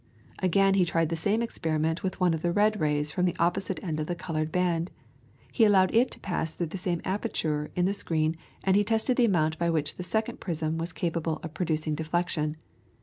Again he tried the same experiment with one of the red rays from the opposite end of the coloured band. He allowed it to pass through the same aperture in the screen, and he tested the amount by which the second prism was capable of producing deflection.